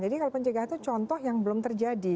jadi kalau pencegahan itu contoh yang belum terjadi